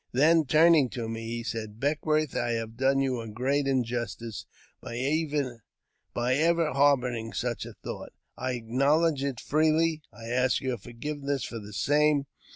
Then turning to me, he sai "Beckwourth, I have done you a great injustice by ever harbouring such a thought. I acknowledge it freely, and I ask your forgiveness for the same.